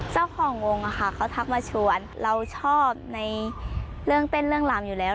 เจ้าของวงอะค่ะเขาทักมาชวนเราชอบในเรื่องเต้นเรื่องหลามอยู่แล้ว